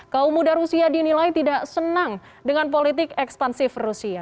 kaum muda rusia dinilai tidak senang dengan politik ekspansif rusia